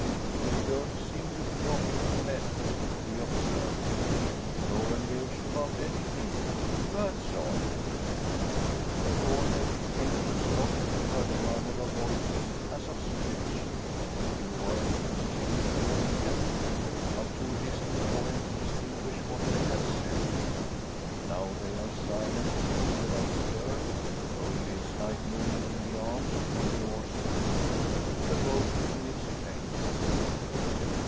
"They don't seem to be dropping a net," he observes, "nor engaged about anything. That's odd!" Before they came to a stop he heard a murmur of voices, as of speech, a few words, exchanged between them, but too distant for him to distinguish what they had said. Now they are silent, sitting without stir; only a slight movement in the arms of the oarsman to keep the boat in its place.